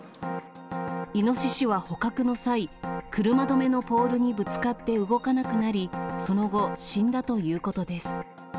イノシシは捕獲の際、車止めのポールにぶつかって動かなくなり、その後、死んだということです。